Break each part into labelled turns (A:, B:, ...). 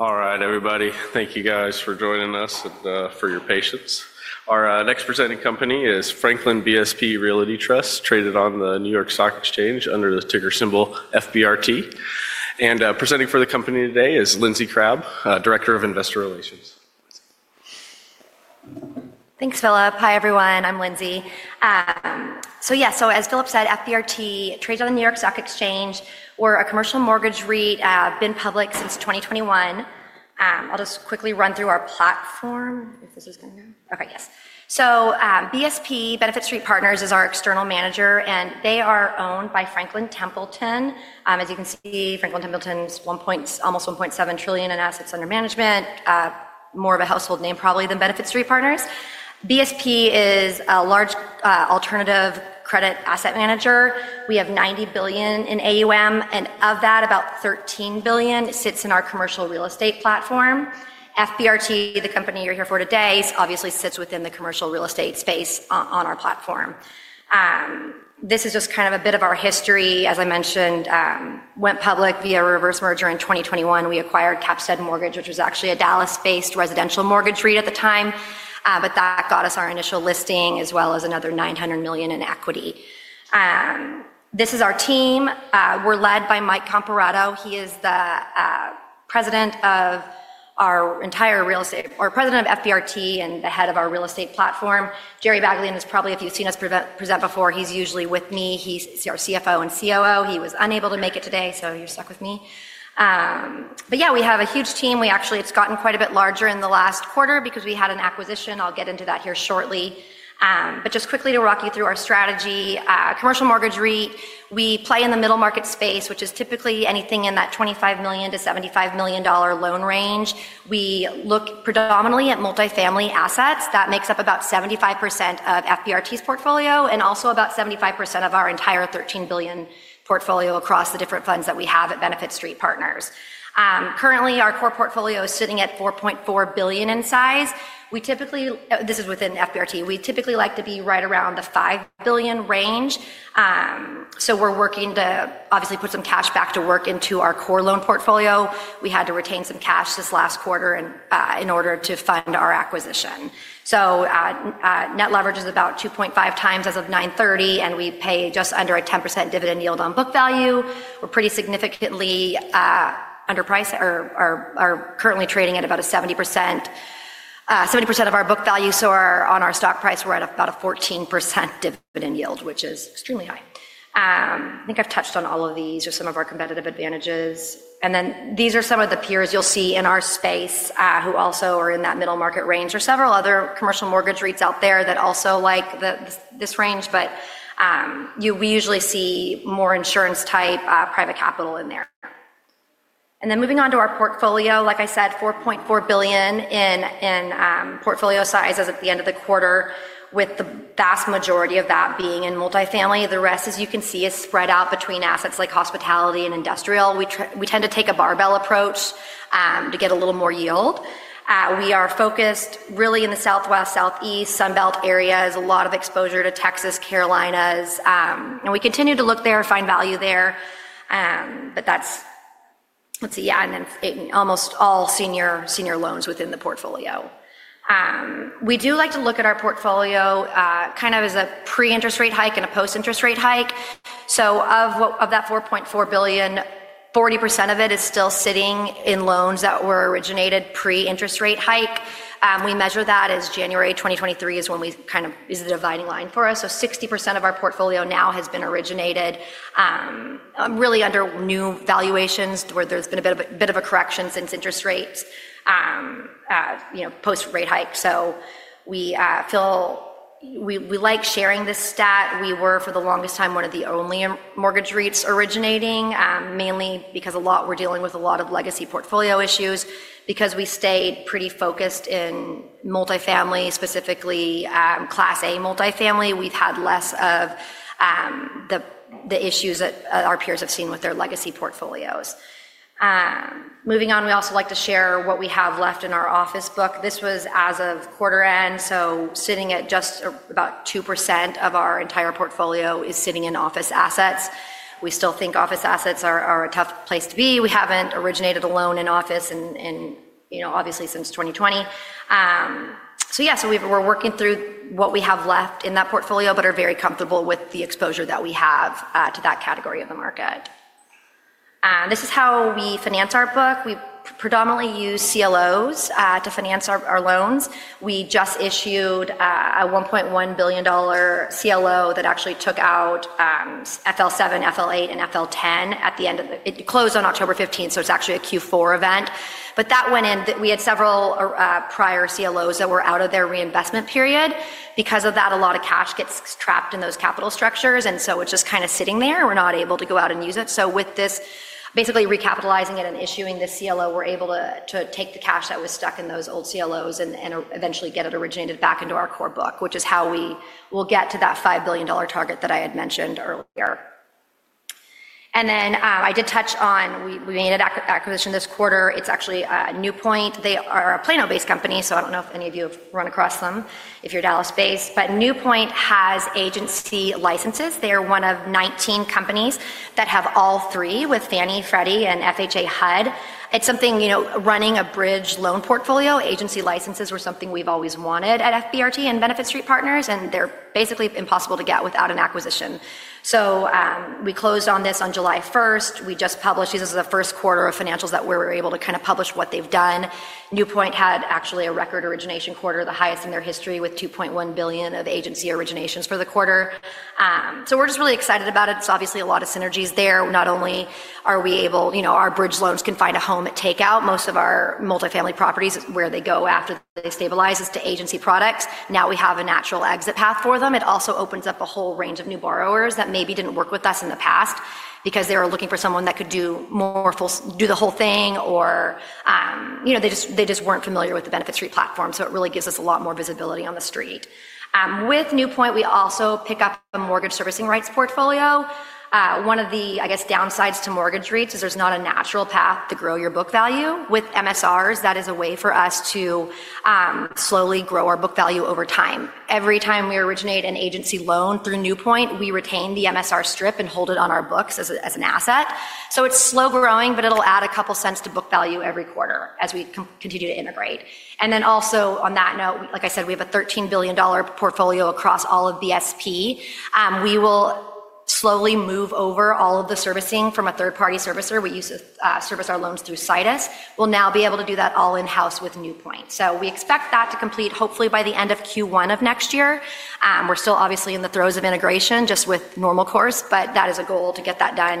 A: All right, everybody. Thank you, guys, for joining us and for your patience. Our next presenting company is Franklin BSP Realty Trust, traded on the New York Stock Exchange under the ticker symbol FBRT. Presenting for the company today is Lindsey Crabbe, Director of Investor Relations.
B: Thanks, Philip. Hi, everyone. I'm Lindsey. Yeah, as Philip said, FBRT trades on the New York Stock Exchange. We're a commercial mortgage REIT, been public since 2021. I'll just quickly run through our platform, if this is going to go. Okay, yes. BSP, Benefit Street Partners, is our external manager, and they are owned by Franklin Templeton. As you can see, Franklin Templeton's almost $1.7 trillion in assets under management, more of a household name probably than Benefit Street Partners. BSP is a large alternative credit asset manager. We have $90 billion in AUM, and of that, about $13 billion sits in our commercial real estate platform. FBRT, the company you're here for today, obviously sits within the commercial real estate space on our platform. This is just kind of a bit of our history. As I mentioned, went public via a reverse merger in 2021. We acquired Capstead Mortgage, which was actually a Dallas-based residential mortgage REIT at the time, but that got us our initial listing, as well as another $900 million in equity. This is our team. We're led by Mike Comparato. He is the President of our entire real estate, or President of FBRT and the head of our real estate platform. Jerry Baglien is probably, if you've seen us present before, he's usually with me. He's our CFO and COO. He was unable to make it today, so you're stuck with me. Yeah, we have a huge team. We actually, it's gotten quite a bit larger in the last quarter because we had an acquisition. I'll get into that here shortly. Just quickly to walk you through our strategy. Commercial mortgage REIT, we play in the middle market space, which is typically anything in that $25 million-$75 million loan range. We look predominantly at multifamily assets. That makes up about 75% of FBRT's portfolio and also about 75% of our entire $13 billion portfolio across the different funds that we have at Benefit Street Partners. Currently, our core portfolio is sitting at $4.4 billion in size. This is within FBRT. We typically like to be right around the $5 billion range. We are working to obviously put some cash back to work into our core loan portfolio. We had to retain some cash this last quarter in order to fund our acquisition. Net leverage is about 2.5x as of 9/30, and we pay just under a 10% dividend yield on book value. We're pretty significantly underpriced or are currently trading at about 70% of our book value. On our stock price, we're at about a 14% dividend yield, which is extremely high. I think I've touched on all of these or some of our competitive advantages. These are some of the peers you'll see in our space who also are in that middle market range. There are several other commercial mortgage REITs out there that also like this range, but we usually see more insurance-type private capital in there. Moving on to our portfolio, like I said, $4.4 billion in portfolio size as of the end of the quarter, with the vast majority of that being in multifamily. The rest, as you can see, is spread out between assets like hospitality and industrial. We tend to take a barbell approach to get a little more yield. We are focused really in the Southwest, Southeast, Sunbelt areas, a lot of exposure to Texas, Carolinas, and we continue to look there and find value there. That's, let's see, yeah, and then almost all senior loans within the portfolio. We do like to look at our portfolio kind of as a pre-interest rate hike and a post-interest rate hike. Of that $4.4 billion, 40% of it is still sitting in loans that were originated pre-interest rate hike. We measure that as January 2023 is when we kind of is the dividing line for us. 60% of our portfolio now has been originated really under new valuations where there's been a bit of a correction since interest rates post-rate hike. We like sharing this stat. We were, for the longest time, one of the only mortgage REITs originating, mainly because we're dealing with a lot of legacy portfolio issues. Because we stayed pretty focused in multifamily, specifically Class A multifamily, we've had less of the issues that our peers have seen with their legacy portfolios. Moving on, we also like to share what we have left in our office book. This was as of quarter end, so sitting at just about 2% of our entire portfolio is sitting in office assets. We still think office assets are a tough place to be. We haven't originated a loan in office, obviously, since 2020. Yeah, we're working through what we have left in that portfolio, but are very comfortable with the exposure that we have to that category of the market. This is how we finance our book. We predominantly use CLOs to finance our loans. We just issued a $1.1 billion CLO that actually took out FL7, FL8, and FL10 at the end of the it closed on October 15th, so it's actually a Q4 event. That went in we had several prior CLOs that were out of their reinvestment period. Because of that, a lot of cash gets trapped in those capital structures, and so it's just kind of sitting there. We're not able to go out and use it. With this, basically recapitalizing it and issuing the CLO, we're able to take the cash that was stuck in those old CLOs and eventually get it originated back into our core book, which is how we will get to that $5 billion target that I had mentioned earlier. I did touch on we made an acquisition this quarter. It's actually NewPoint. They are a Plano-based company, so I don't know if any of you have run across them if you're Dallas-based. NewPoint has agency licenses. They are one of 19 companies that have all three with Fannie, Freddie, and FHA HUD. It's something running a bridge loan portfolio. Agency licenses were something we've always wanted at FBRT and Benefit Street Partners, and they're basically impossible to get without an acquisition. We closed on this on July 1. We just published this is the first quarter of financials that we were able to kind of publish what they've done. NewPoint had actually a record origination quarter, the highest in their history with $2.1 billion of agency originations for the quarter. We're just really excited about it. It's obviously a lot of synergies there. Not only are we able our bridge loans can find a home at takeout. Most of our multifamily properties, where they go after they stabilize, is to agency products. Now we have a natural exit path for them. It also opens up a whole range of new borrowers that maybe did not work with us in the past because they were looking for someone that could do more full do the whole thing, or they just were not familiar with the Benefit Street platform. It really gives us a lot more visibility on the street. With NewPoint, we also pick up a mortgage servicing rights portfolio. One of the, I guess, downsides to mortgage REITs is there is not a natural path to grow your book value. With MSRs, that is a way for us to slowly grow our book value over time. Every time we originate an agency loan through NewPoint, we retain the MSR strip and hold it on our books as an asset. It's slow growing, but it'll add a couple cents to book value every quarter as we continue to integrate. Also on that note, like I said, we have a $13 billion portfolio across all of BSP. We will slowly move over all of the servicing from a third-party servicer. We used to service our loans through Situs. We'll now be able to do that all in-house with NewPoint. We expect that to complete, hopefully, by the end of Q1 of next year. We're still obviously in the throes of integration just with normal course, but that is a goal to get that done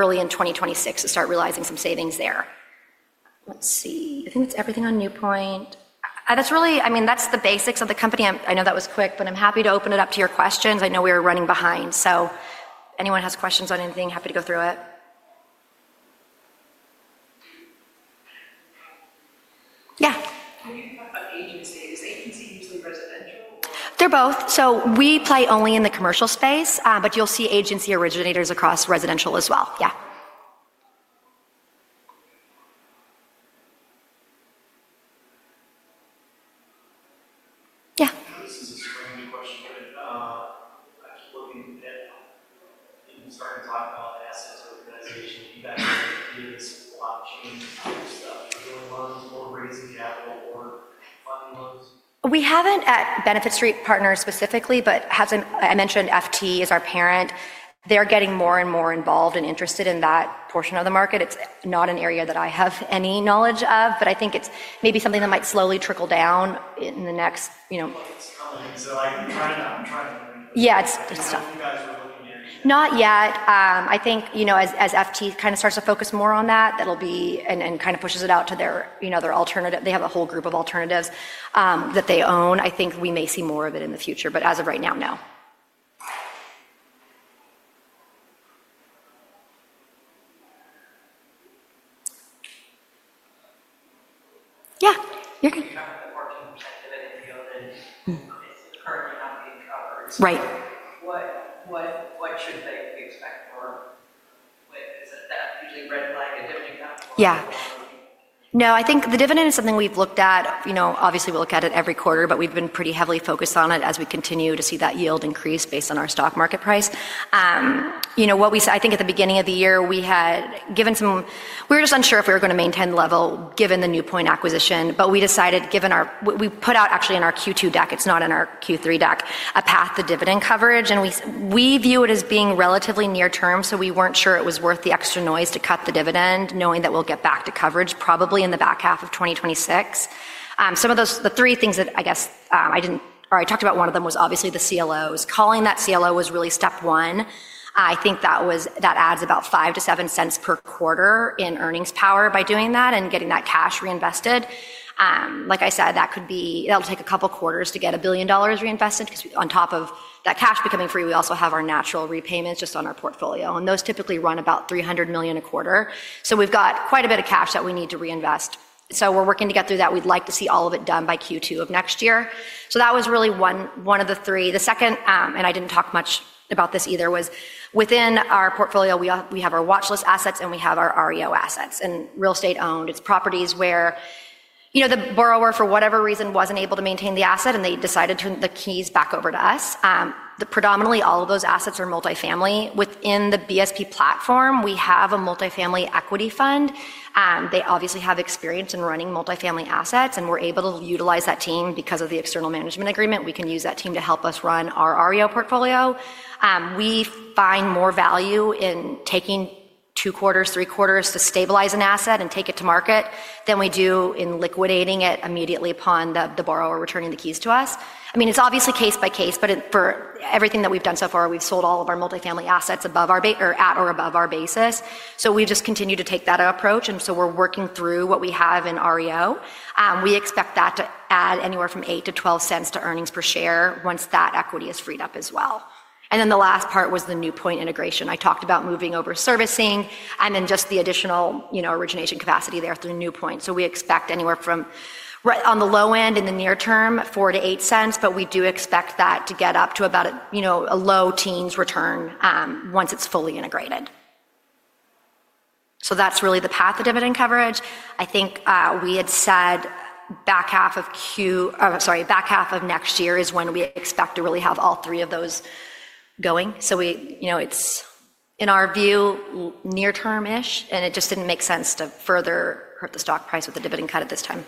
B: early in 2026 to start realizing some savings there. Let's see. I think that's everything on NewPoint. That's really, I mean, that's the basics of the company. I know that was quick, but I'm happy to open it up to your questions. I know we were running behind. If anyone has questions on anything, happy to go through it. Yeah. Can you talk about agency? Is agency usually residential or? They're both. We play only in the commercial space, but you'll see agency originators across residential as well. Yeah. Yeah. This is a scrappy question, but I keep looking at it. You can start to talk about assets organization. Do you guys have any ideas about changing some of this stuff? Are there any loans or raising capital or funding loans? We haven't at Benefit Street Partners specifically, but I mentioned FT is our parent. They're getting more and more involved and interested in that portion of the market. It's not an area that I have any knowledge of, but I think it's maybe something that might slowly trickle down in the next. It's coming. I'm trying to learn. Yeah, it's good stuff. I don't know if you guys are looking at it. Not yet. I think as FT kind of starts to focus more on that, that'll be and kind of pushes it out to their alternative. They have a whole group of alternatives that they own. I think we may see more of it in the future, but as of right now, no. Yeah, you're good. You have the 14% dividend yield that is currently not being covered. Right. What should they expect for? Is that usually red flag a dividend out for? Yeah. No, I think the dividend is something we've looked at. Obviously, we look at it every quarter, but we've been pretty heavily focused on it as we continue to see that yield increase based on our stock market price. What we saw, I think at the beginning of the year, we had given some we were just unsure if we were going to maintain the level given the NewPoint acquisition, but we decided, given our we put out actually in our Q2 deck, it's not in our Q3 deck, a path to dividend coverage. We view it as being relatively near term, so we weren't sure it was worth the extra noise to cut the dividend, knowing that we'll get back to coverage probably in the back half of 2026. Some of those, the three things that I guess I didn't, or I talked about, one of them was obviously the CLOs. Calling that CLO was really step one. I think that adds about $0.05-$0.07 per quarter in earnings power by doing that and getting that cash reinvested. Like I said, that could be, that'll take a couple quarters to get $1 billion reinvested because on top of that cash becoming free, we also have our natural repayments just on our portfolio. Those typically run about $300 million a quarter. We've got quite a bit of cash that we need to reinvest. We're working to get through that. We'd like to see all of it done by Q2 of next year. That was really one of the three. The second, and I did not talk much about this either, was within our portfolio, we have our watchlist assets and we have our REO assets and real estate owned. It is properties where the borrower, for whatever reason, was not able to maintain the asset and they decided to turn the keys back over to us. Predominantly, all of those assets are multifamily. Within the BSP platform, we have a multifamily equity fund. They obviously have experience in running multifamily assets, and we are able to utilize that team because of the external management agreement. We can use that team to help us run our REO portfolio. We find more value in taking two quarters, three quarters to stabilize an asset and take it to market than we do in liquidating it immediately upon the borrower returning the keys to us. I mean, it's obviously case by case, but for everything that we've done so far, we've sold all of our multifamily assets at or above our basis. We just continued to take that approach. We are working through what we have in REO. We expect that to add anywhere from $0.08-$0.12 to earnings per share once that equity is freed up as well. The last part was the NewPoint integration. I talked about moving over servicing and then just the additional origination capacity there through NewPoint. We expect anywhere from, on the low end in the near term, $0.04-$0.08, but we do expect that to get up to about a low teens return once it's fully integrated. That's really the path of dividend coverage. I think we had said back half of Q, sorry, back half of next year is when we expect to really have all three of those going. It is, in our view, near-term-ish, and it just did not make sense to further hurt the stock price with the dividend cut at this time.